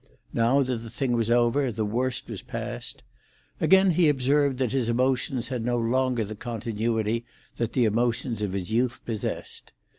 Now that the thing was over, the worst was past. Again he observed that his emotions had no longer the continuity that the emotions of his youth possessed.